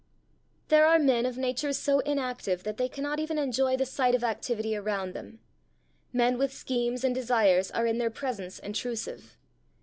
There are men of natures so inactive that they cannot even enjoy the sight of activity around them: men with schemes and desires are in their presence intrusive.